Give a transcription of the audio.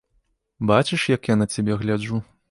Бачыш, як я на цябе гляджу.